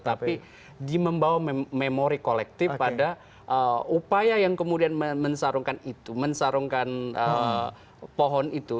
tapi dia membawa memori kolektif pada upaya yang kemudian mensarungkan itu mensarungkan pohon itu